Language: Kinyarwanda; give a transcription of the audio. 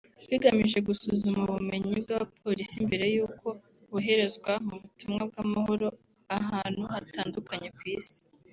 bigamije gusuzuma ubumenyi bw’abapolisi mbere y’uko boherezwa mu butumwa bw’amahoro ahantu hatandukanye ku isi